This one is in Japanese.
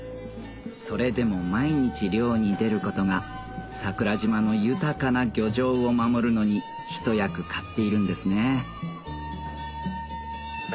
それでも毎日漁に出ることが桜島の豊かな漁場を守るのにひと役買っているんですね